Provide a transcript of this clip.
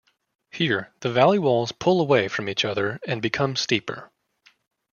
Here, the valley walls pull away from each other and become steeper.